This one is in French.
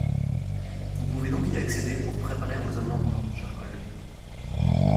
Vous pouvez donc y accéder pour préparer vos amendements, chers collègues.